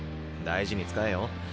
大事に使えよ。